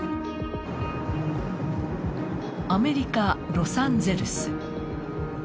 アメリカ・ロサンゼルス。